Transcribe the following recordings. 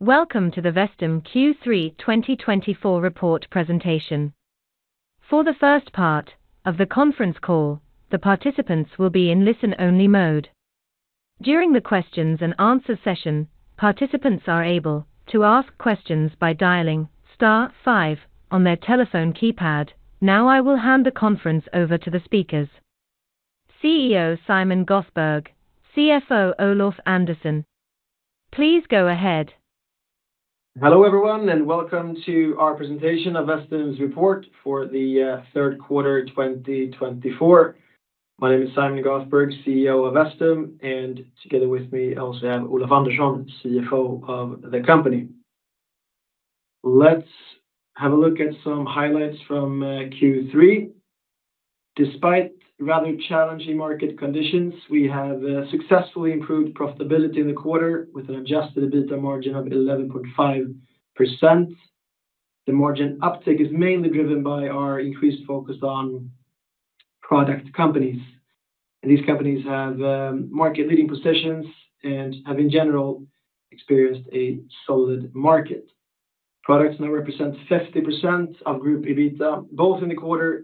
Welcome to the Vestum Q3 2024 report presentation. For the first part of the conference call, the participants will be in listen-only mode. During the questions and answer session, participants are able to ask questions by dialing star five on their telephone keypad. Now, I will hand the conference over to the speakers. CEO Simon Göthberg, CFO Olof Andersson, please go ahead. Hello, everyone, and welcome to our presentation of Vestum's report for the third quarter, 2024. My name is Simon Göthberg, CEO of Vestum, and together with me, I also have Olof Andersson, CFO of the company. Let's have a look at some highlights from Q3. Despite rather challenging market conditions, we have successfully improved profitability in the quarter with an adjusted EBITDA margin of 11.5%. The margin uptick is mainly driven by our increased focus on product companies, and these companies have market-leading positions and have, in general, experienced a solid market. Products now represent 50% of group EBITDA, both in the quarter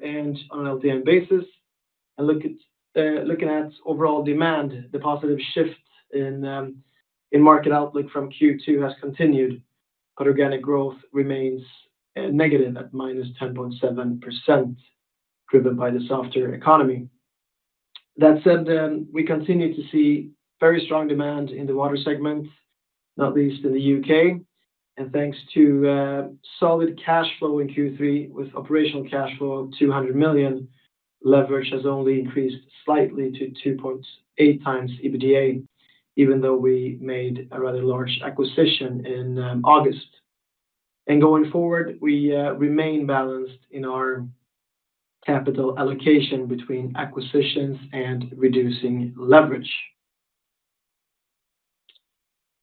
and on an LTM basis. Looking at overall demand, the positive shift in market outlook from Q2 has continued, but organic growth remains negative at -10.7%, driven by the softer economy. That said, then we continue to see very strong demand in the water segment, not least in the U.K. Thanks to solid cash flow in Q3 with operational cash flow 200 million, leverage has only increased slightly to 2.8 times EBITDA, even though we made a rather large acquisition in August. Going forward, we remain balanced in our capital allocation between acquisitions and reducing leverage.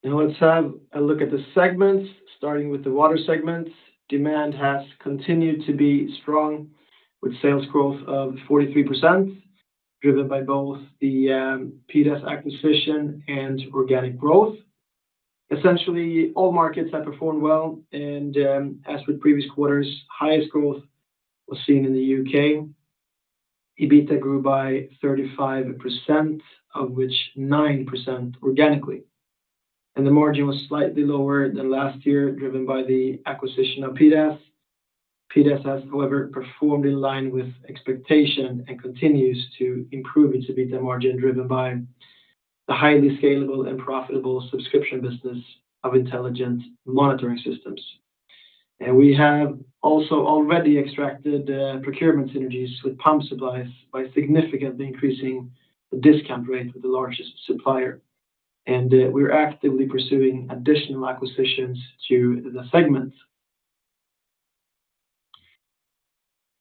Now, let's have a look at the segments, starting with the water segment. Demand has continued to be strong, with sales growth of 43%, driven by both the PDAS acquisition and organic growth. Essentially, all markets have performed well, and as with previous quarters, highest growth was seen in the U.K. EBITDA grew by 35%, of which 9% organically, and the margin was slightly lower than last year, driven by the acquisition of PDAS. PDAS has, however, performed in line with expectation and continues to improve its EBITDA margin, driven by the highly scalable and profitable subscription business of intelligent monitoring systems, and we have also already extracted procurement synergies with Pump Supplies by significantly increasing the discount rate with the largest supplier, and we're actively pursuing additional acquisitions to the segment.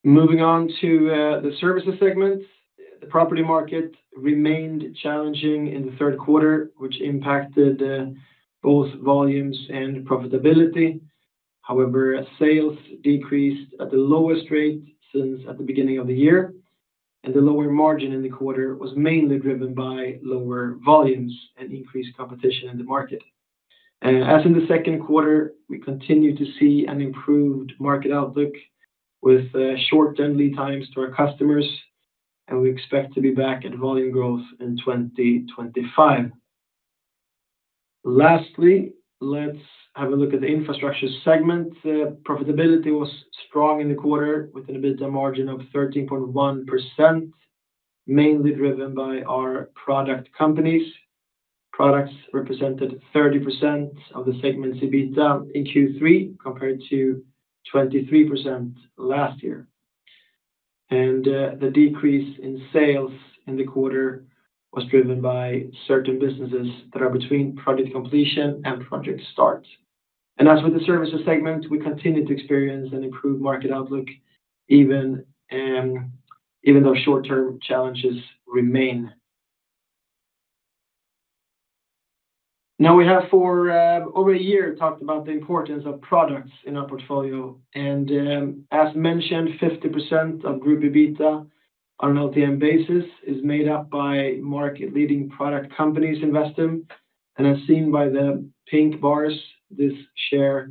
Moving on to the services segment. The property market remained challenging in the third quarter, which impacted both volumes and profitability. However, sales decreased at the lowest rate since at the beginning of the year, and the lower margin in the quarter was mainly driven by lower volumes and increased competition in the market. And as in the second quarter, we continued to see an improved market outlook with shortened lead times to our customers, and we expect to be back at volume growth in 2025. Lastly, let's have a look at the infrastructure segment. Profitability was strong in the quarter, with an EBITDA margin of 13.1%, mainly driven by our product companies. Products represented 30% of the segment's EBITDA in Q3, compared to 23% last year. And the decrease in sales in the quarter was driven by certain businesses that are between project completion and project start. And as with the services segment, we continued to experience an improved market outlook, even though short-term challenges remain. Now, we have for over a year talked about the importance of products in our portfolio, and, as mentioned, 50% of group EBITDA on an LTM basis is made up by market-leading product companies in Vestum. And as seen by the pink bars, this share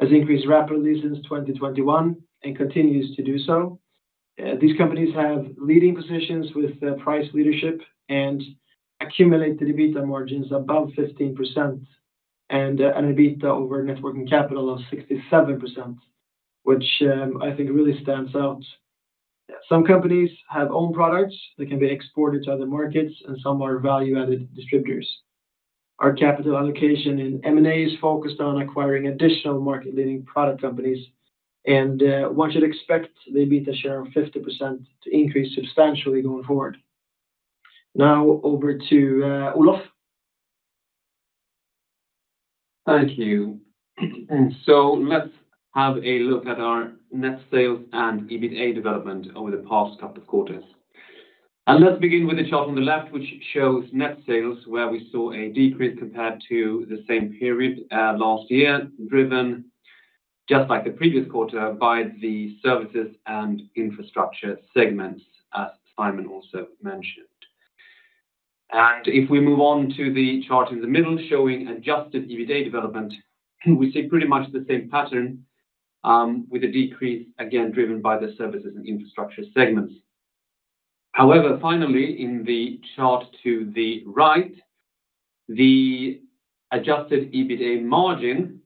has increased rapidly since 2021 and continues to do so. These companies have leading positions with price leadership and accumulated EBITDA margins above 15% and an EBITDA over net working capital of 67%, which I think really stands out. Some companies have own products that can be exported to other markets, and some are value-added distributors. Our capital allocation in M&A is focused on acquiring additional market-leading product companies, and one should expect the EBITDA share of 50% to increase substantially going forward. Now over to Olof. Thank you. And so let's have a look at our net sales and EBITDA development over the past couple of quarters. And let's begin with the chart on the left, which shows net sales, where we saw a decrease compared to the same period last year, driven just like the previous quarter, by the services and infrastructure segments, as Simon also mentioned... And if we move on to the chart in the middle, showing adjusted EBITDA development, we see pretty much the same pattern, with a decrease, again, driven by the services and infrastructure segments. However, finally, in the chart to the right, the adjusted EBITDA margin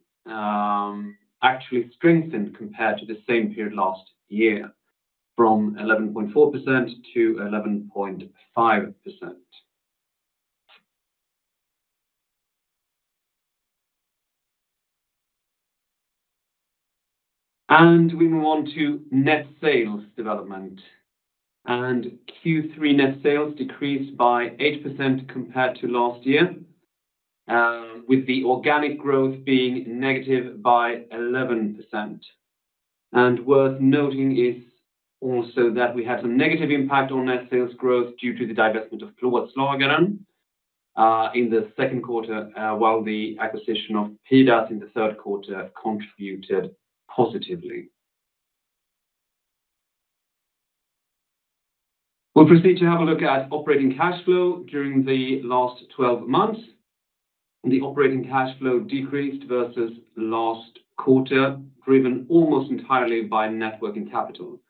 actually strengthened compared to the same period last year, from 11.4%-11.5%. And we move on to net sales development. Q3 net sales decreased by 8% compared to last year, with the organic growth being negative by 11%. Worth noting is also that we had some negative impact on net sales growth due to the divestment of Plåtslagaren G.H. Johansson in the second quarter, while the acquisition of PDAS in the third quarter contributed positively. We'll proceed to have a look at operating cash flow during the last 12 months. The operating cash flow decreased versus last quarter, driven almost entirely by net working capital.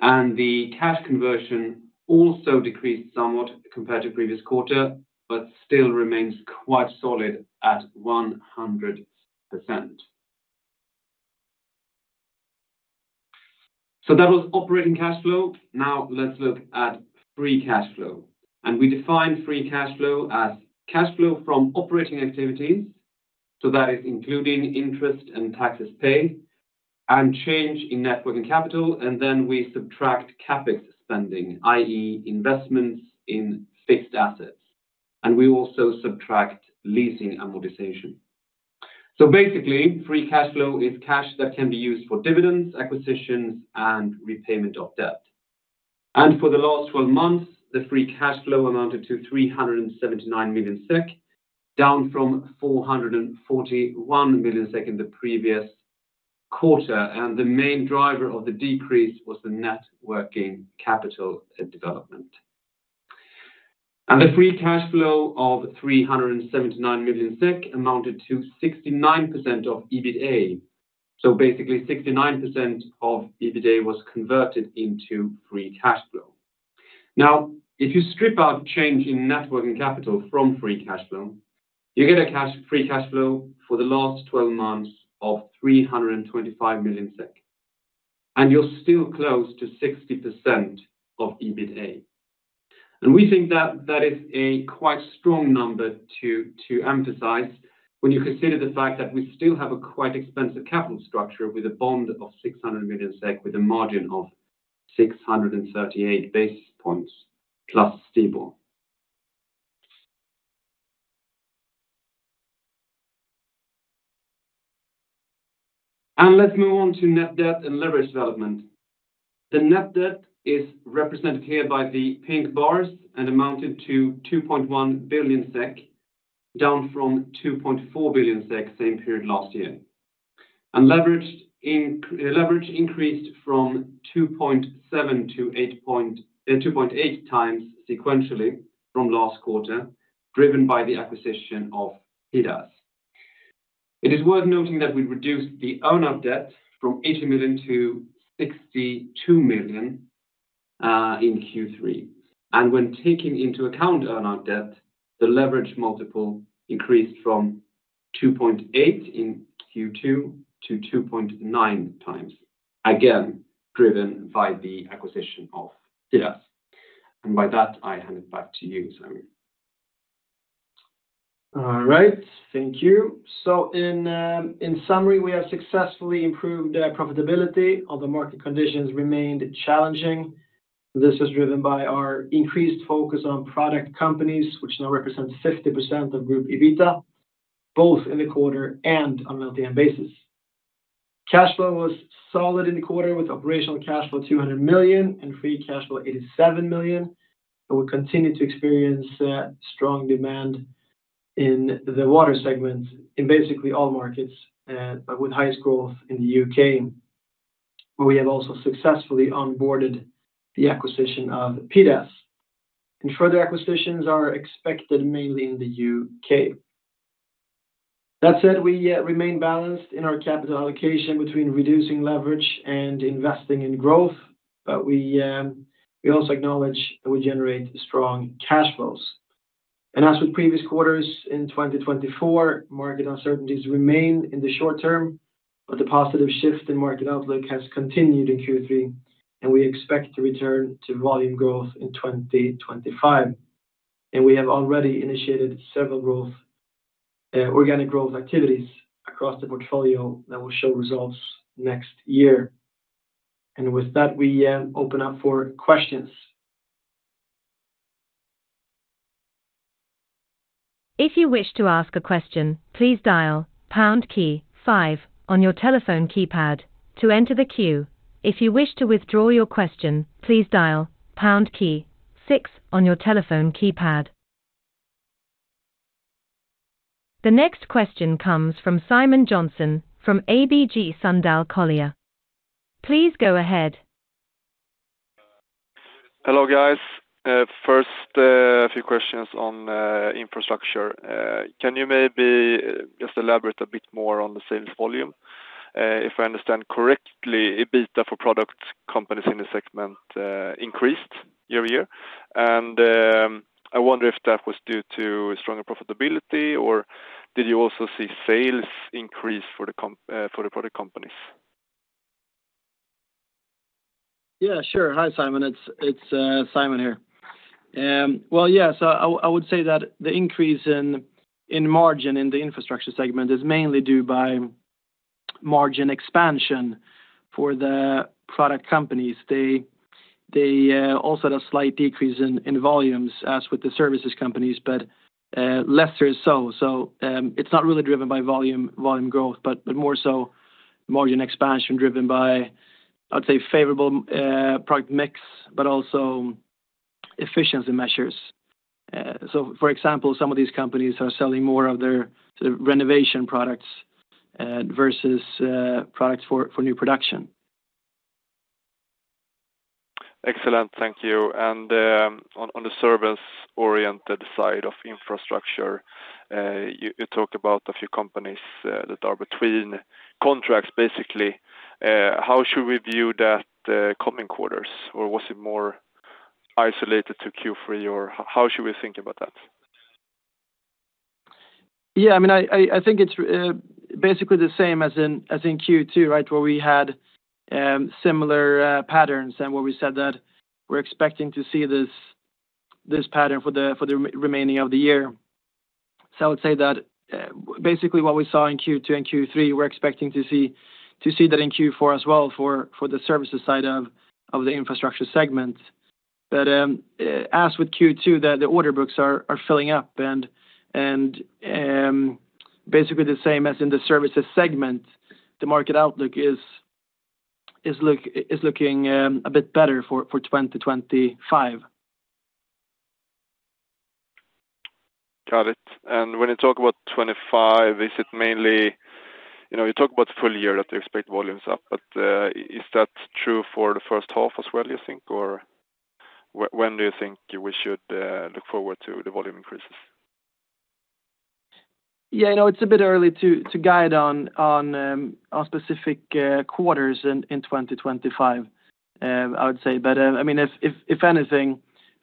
The cash conversion also decreased somewhat compared to previous quarter, but still remains quite solid at 100%. That was operating cash flow. Now let's look at free cash flow. And we define free cash flow as cash flow from operating activities, so that is including interest and taxes paid and change in net working capital, and then we subtract CapEx spending, i.e., investments in fixed assets, and we also subtract leasing amortization. So basically, free cash flow is cash that can be used for dividends, acquisitions, and repayment of debt. And for the last 12 months, the free cash flow amounted to 379 million SEK, down from 441 million SEK in the previous quarter, and the main driver of the decrease was the net working capital development. And the free cash flow of 379 million SEK amounted to 69% of EBITDA. So basically, 69% of EBITDA was converted into free cash flow. Now, if you strip out change in net working capital from free cash flow, you get a cash free cash flow for the last 12 months of 325 million, and you're still close to 60% of EBITDA. And we think that that is a quite strong number to, to emphasize when you consider the fact that we still have a quite expensive capital structure with a bond of 600 million SEK with a margin of 638 basis points plus STIBOR. And let's move on to net debt and leverage development. The net debt is represented here by the pink bars and amounted to 2.1 billion SEK, down from 2.4 billion SEK, same period last year. Leverage increased from 2.7 to 2.8 times sequentially from last quarter, driven by the acquisition of PDAS. It is worth noting that we reduced the earn-out debt from 80 million to 62 million in Q3. When taking into account earn-out debt, the leverage multiple increased from 2.8 in Q2 to 2.9 times, again, driven by the acquisition of PDAS. By that, I hand it back to you, Simon. All right, thank you. So in summary, we have successfully improved profitability, although market conditions remained challenging. This was driven by our increased focus on product companies, which now represent 50% of group EBITDA, both in the quarter and on an LTM basis. Cash flow was solid in the quarter, with operational cash flow 200 million and free cash flow 87 million, and we continue to experience strong demand in the water segment in basically all markets, but with highest growth in the U.K., where we have also successfully onboarded the acquisition of PDAS. And further acquisitions are expected mainly in the U.K.. That said, we remain balanced in our capital allocation between reducing leverage and investing in growth, but we also acknowledge that we generate strong cash flows. And as with previous quarters in 2024, market uncertainties remain in the short term, but the positive shift in market outlook has continued in Q3, and we expect to return to volume growth in 2025. And we have already initiated several growth, organic growth activities across the portfolio that will show results next year. And with that, we open up for questions. If you wish to ask a question, please dial pound key five on your telephone keypad to enter the queue. If you wish to withdraw your question, please dial pound key six on your telephone keypad... The next question comes from Simon Jönsson from ABG Sundal Collier. Please go ahead. Hello, guys. First, a few questions on infrastructure. Can you maybe just elaborate a bit more on the sales volume? If I understand correctly, EBITDA for product companies in the segment increased year-over-year, and I wonder if that was due to stronger profitability, or did you also see sales increase for the comp, for the product companies? Yeah, sure. Hi, Simon. It's Simon here. Well, yeah, so I would say that the increase in margin in the infrastructure segment is mainly due by margin expansion for the product companies. They also had a slight decrease in volumes as with the services companies, but lesser so. So, it's not really driven by volume growth, but more so margin expansion driven by, I'd say, favorable product mix, but also efficiency measures. So for example, some of these companies are selling more of their sort of renovation products versus products for new production. Excellent. Thank you. And on the service-oriented side of infrastructure, you talked about a few companies that are between contracts, basically. How should we view that, coming quarters, or was it more isolated to Q3, or how should we think about that? Yeah, I mean, I think it's basically the same as in Q2, right, where we had similar patterns and where we said that we're expecting to see this pattern for the remaining of the year, so I would say that basically what we saw in Q2 and Q3, we're expecting to see that in Q4 as well for the services side of the infrastructure segment, but as with Q2, the order books are filling up, and basically the same as in the services segment, the market outlook is looking a bit better for 2025. Got it. And when you talk about 2025, is it mainly... You know, you talk about the full year that you expect volumes up, but is that true for the first half as well, you think? Or when do you think we should look forward to the volume increases? Yeah, you know, it's a bit early to guide on specific quarters in 2025, I would say. But, I mean, if anything,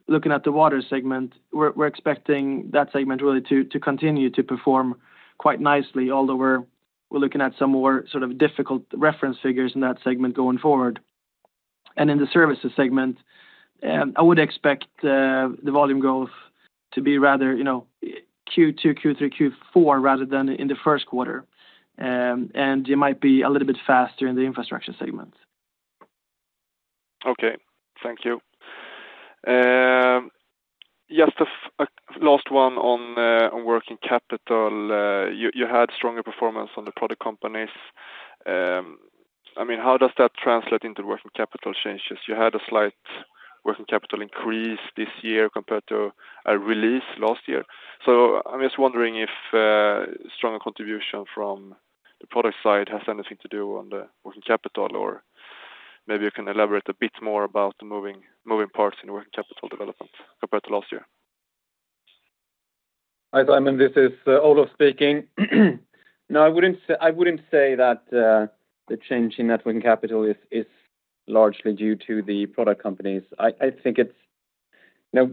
looking at the water segment, we're expecting that segment really to continue to perform quite nicely, although we're looking at some more sort of difficult reference figures in that segment going forward. And in the services segment, I would expect the volume growth to be rather, you know, Q2, Q3, Q4, rather than in the first quarter. And you might be a little bit faster in the infrastructure segment. Okay. Thank you. Just a last one on working capital. You had stronger performance on the product companies. I mean, how does that translate into working capital changes? You had a slight working capital increase this year compared to a release last year. So I'm just wondering if stronger contribution from the product side has anything to do on the working capital, or maybe you can elaborate a bit more about the moving parts in working capital development compared to last year. Hi, Simon, this is Olof speaking. No, I wouldn't say, I wouldn't say that, the change in net working capital is largely due to the product companies. I think it's... Now,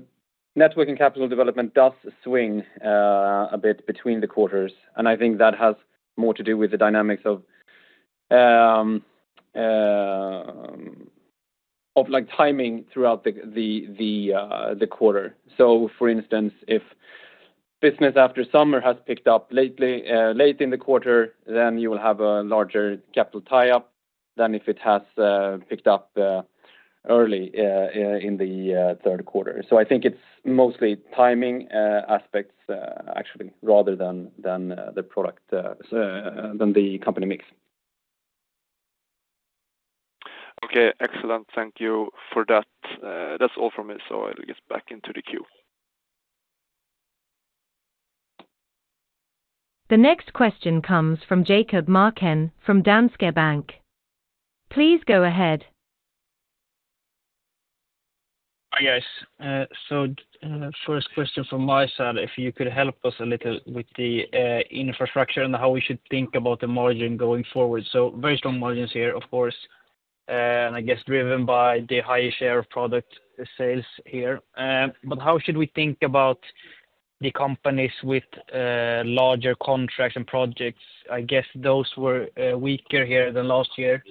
net working capital development does swing a bit between the quarters, and I think that has more to do with the dynamics of, like, timing throughout the quarter. So for instance, if business after summer has picked up lately, late in the quarter, then you will have a larger capital tie-up than if it has picked up early in the third quarter. So I think it's mostly timing aspects, actually, rather than the product than the company mix. Okay, excellent. Thank you for that. That's all from me, so I'll get back into the queue. The next question comes from Jakob Marken from Danske Bank. Please go ahead. Hi, guys. So, first question from my side, if you could help us a little with the infrastructure and how we should think about the margin going forward. So very strong margins here, of course, and I guess driven by the high share of product sales here. But how should we think about the companies with larger contracts and projects? I guess those were weaker here than last year,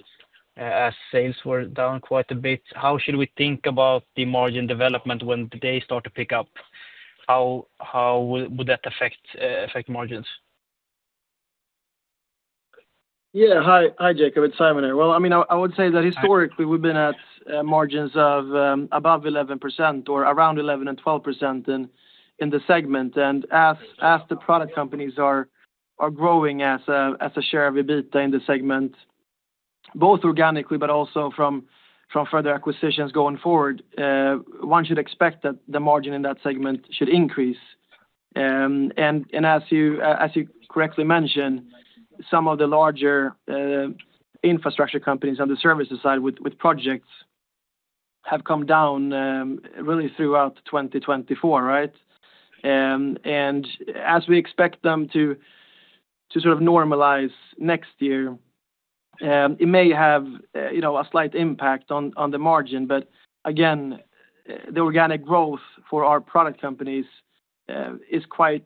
as sales were down quite a bit. How should we think about the margin development when they start to pick up? How would that affect margins? Yeah. Hi, hi, Jakob. It's Simon here. Well, I mean, I would say that historically- Hi... we've been at margins of above 11% or around 11% and 12% in the segment. And as the product companies are growing as a share of EBITDA in the segment, both organically, but also from further acquisitions going forward, one should expect that the margin in that segment should increase. And as you correctly mentioned, some of the larger infrastructure companies on the services side with projects have come down really throughout 2024, right? And as we expect them to sort of normalize next year, it may have, you know, a slight impact on the margin. But again, the organic growth for our product companies is quite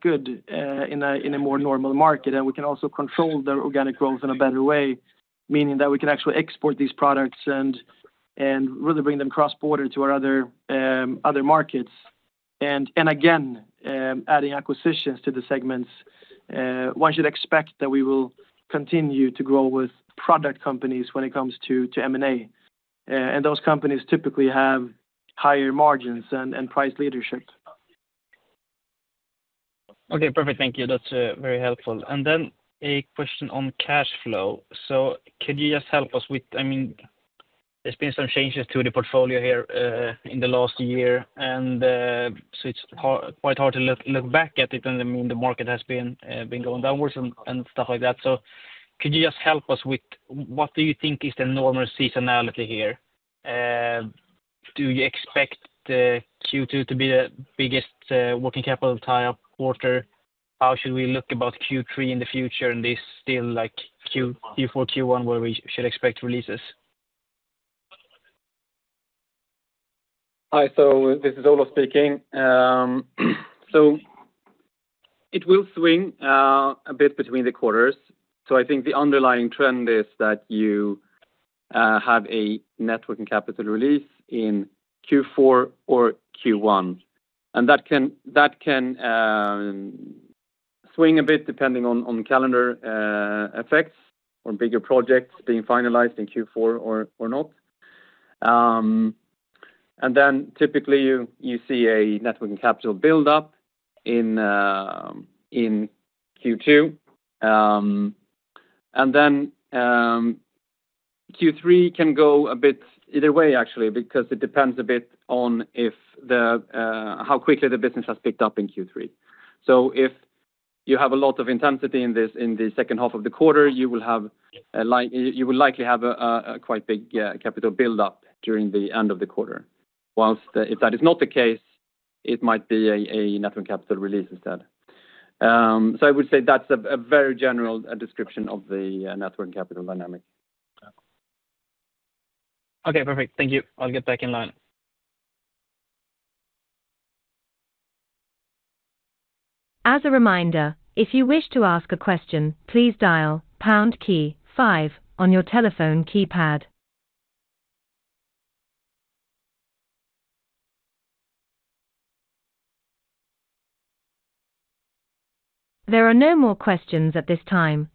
good in a more normal market. We can also control the organic growth in a better way, meaning that we can actually export these products and really bring them cross-border to our other markets. Again, adding acquisitions to the segments, one should expect that we will continue to grow with product companies when it comes to M&A. And those companies typically have higher margins and price leadership. Okay, perfect. Thank you. That's very helpful. And then a question on cash flow. So could you just help us with... I mean, there's been some changes to the portfolio here in the last year, and so it's quite hard to look back at it, and I mean, the market has been going downwards and stuff like that. So could you just help us with what do you think is the normal seasonality here? Do you expect the Q2 to be the biggest working capital tie-up quarter? How should we look about Q3 in the future, and is still like Q4, Q1, where we should expect releases? Hi, so this is Olof speaking. So it will swing a bit between the quarters. So I think the underlying trend is that you have a net working capital release in Q4 or Q1. And that can swing a bit depending on calendar effects, or bigger projects being finalized in Q4 or not. And then typically, you see a net working capital build up in Q2. And then Q3 can go a bit either way, actually, because it depends a bit on if how quickly the business has picked up in Q3. So if you have a lot of intensity in this, in the second half of the quarter, you will have a like- you, you will likely have a quite big capital build up during the end of the quarter. Whilst if that is not the case, it might be a net working capital release instead. So I would say that's a very general description of the net working capital dynamic. Okay, perfect. Thank you. I'll get back in line. As a reminder, if you wish to ask a question, please dial pound key five on your telephone keypad. There are no more questions at this time,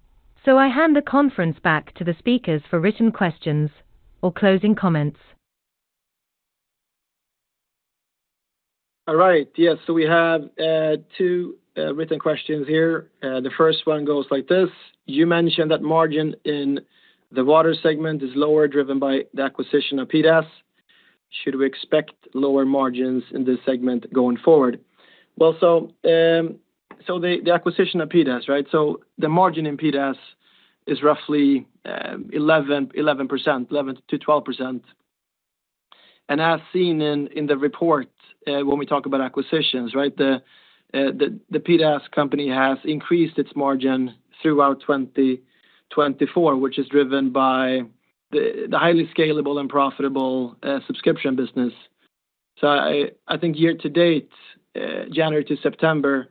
so I hand the conference back to the speakers for written questions or closing comments. All right, yes. So we have two written questions here. The first one goes like this: You mentioned that margin in the water segment is lower, driven by the acquisition of PDAS. Should we expect lower margins in this segment going forward? So the acquisition of PDAS, right? So the margin in PDAS is roughly 11%-12%. And as seen in the report, when we talk about acquisitions, right? The PDAS company has increased its margin throughout 2024, which is driven by the highly scalable and profitable subscription business. I think year to date, January to September,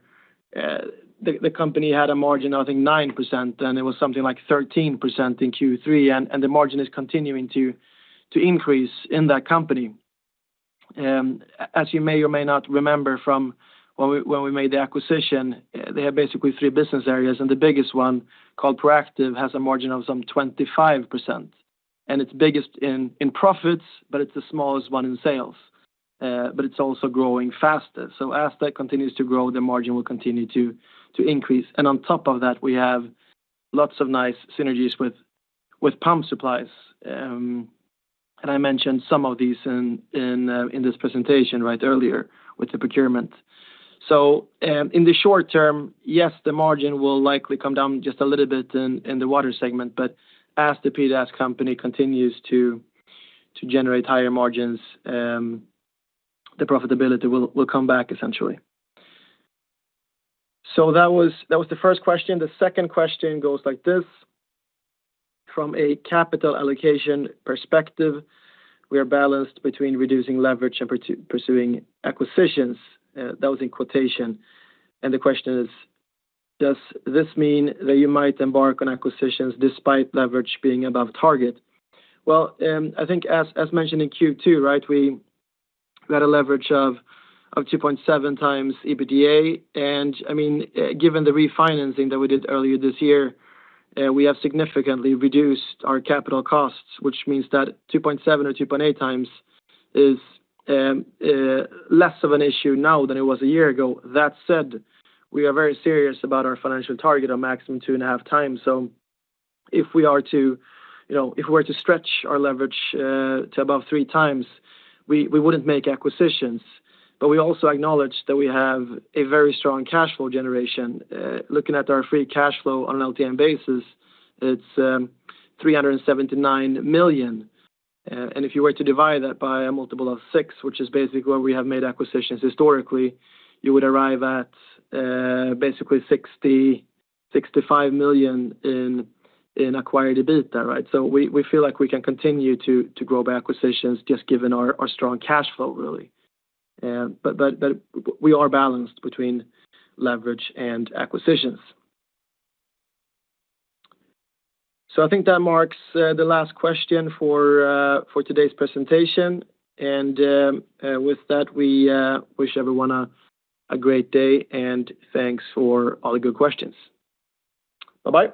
the company had a margin of, I think, 9%, and it was something like 13% in Q3, and the margin is continuing to increase in that company. As you may or may not remember from when we made the acquisition, they have basically three business areas, and the biggest one, called Proactive, has a margin of some 25%. It's biggest in profits, but it's the smallest one in sales, but it's also growing faster. As that continues to grow, the margin will continue to increase. On top of that, we have lots of nice synergies with Pump Supplies. I mentioned some of these in this presentation right earlier, with the procurement. In the short term, yes, the margin will likely come down just a little bit in the water segment, but as the PDAS company continues to generate higher margins, the profitability will come back essentially. That was the first question. The second question goes like this: From a capital allocation perspective, we are balanced between reducing leverage and pursuing acquisitions. That was in quotation. And the question is, does this mean that you might embark on acquisitions despite leverage being above target? I think as mentioned in Q2, right, we got a leverage of 2.7 times EBITDA. I mean, given the refinancing that we did earlier this year, we have significantly reduced our capital costs, which means that 2.7 or 2.8 times is less of an issue now than it was a year ago. That said, we are very serious about our financial target of maximum 2.5 times. So if we are to, you know, if we were to stretch our leverage to above 3 times, we wouldn't make acquisitions. But we also acknowledge that we have a very strong cash flow generation. Looking at our free cash flow on an LTM basis, it's 379 million. And if you were to divide that by a multiple of six, which is basically where we have made acquisitions historically, you would arrive at basically 60 million-65 million in acquired EBITDA, right? So we feel like we can continue to grow by acquisitions, just given our strong cash flow, really. We are balanced between leverage and acquisitions. So I think that marks the last question for today's presentation. With that, we wish everyone a great day, and thanks for all the good questions. Bye-bye.